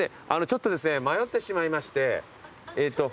ちょっとですね迷ってしまいましてえっと。